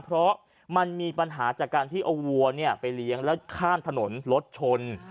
เพราะมันมีปัญหาจากการที่เอาวัวไปเลี้ยงแล้วข้ามถนนรถชน